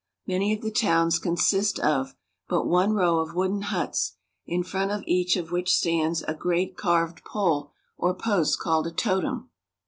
Many of the towns consist of but one row of wooden huts, in front of each of which stands a great carved pole or post called a totem.